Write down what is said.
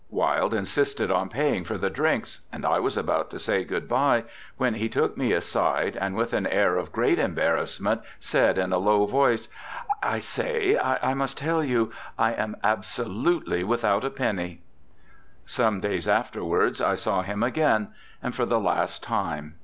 Wilde insisted on paying for the drinks, and I was about to say good bye, when he took me aside, and, with an air of great embarrassment, said in a low voice, 'I say, I must tell you, I am absolutely without a penny. Some days afterwards I saw him again, and for the last time.